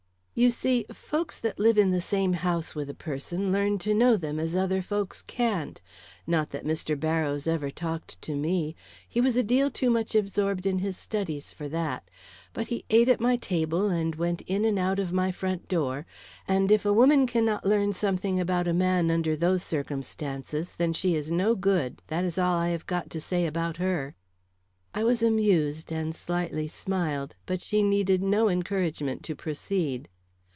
"You see, folks that live in the same house with a person, learn to know them as other folks can't. Not that Mr. Barrows ever talked to me; he was a deal too much absorbed in his studies for that; but he ate at my table, and went in and out of my front door, and if a woman cannot learn something about a man under those circumstances, then she is no good, that is all I have got to say about her." I was amused and slightly smiled, but she needed no encouragement to proceed.